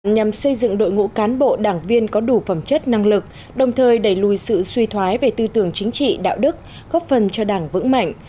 nhằm xây dựng đội ngũ cán bộ đảng viên có đủ phẩm chất năng lực đồng thời đẩy lùi sự suy thoái về tư tưởng chính trị đạo đức góp phần cho đảng vững mạnh